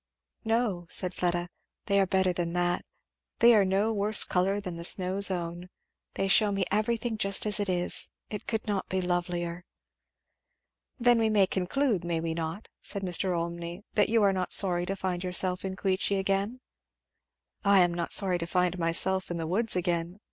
"No," said Fleda, "they are better than that they are no worse colour than the snow's own they shew me everything just as it is. It could not be lovelier." "Then we may conclude, may we not," said Mr. Olmney, "that you are not sorry to find yourself in Queechy again?" "I am not sorry to find myself in the woods again.